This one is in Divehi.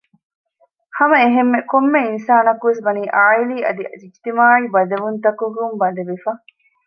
ހަމައެހެންމެ ކޮންމެ އިންސާނަކުވެސް ވަނީ ޢާއިލީ އަދި އިޖްތިމާޢީ ބަދެވުންތަކަކުން ބަނދެވިފަ